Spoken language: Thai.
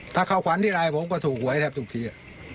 ถ้าเข้าฝันที่รายผมก็ถูกไหวแทบทุกที